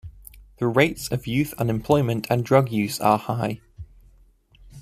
The Rates of youth unemployment and drug use are high.